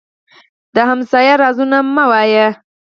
د ګاونډي رازونه مه وایه